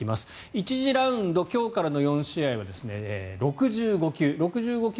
１次ラウンド今日からの４試合は６５球。